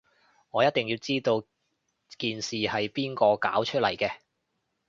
我一定要知道件事係邊個搞出嚟嘅